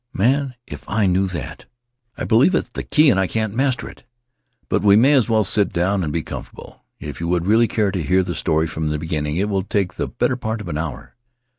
"Man, if I knew that! I believe it's the key, and I can't master it ! But we may as well sit down and be comfortable. If you would really care to hear the story from the beginning it will take the better part of an hour.